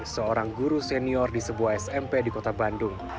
seorang guru senior di sebuah smp di kota bandung